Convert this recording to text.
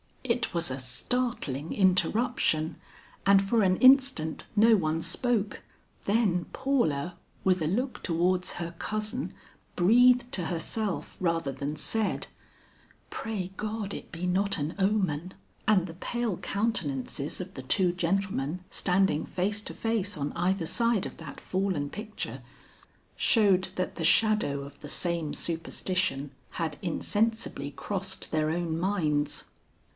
It was a startling interruption and for an instant no one spoke, then Paula with a look towards her cousin breathed to herself rather than said, "Pray God it be not an omen!" And the pale countenances of the two gentlemen standing face to face on either side of that fallen picture, showed that the shadow of the same superstition had insensibly crossed their own minds.